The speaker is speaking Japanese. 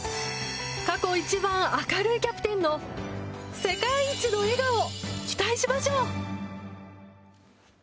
過去一番明るいキャプテンの世界一の笑顔、期待しましょう。